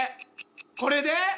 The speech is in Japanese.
これで？